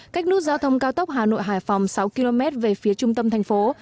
cách nút giao thông cao tốc hà nội hải phòng sáu km về phía trung tâm thành phố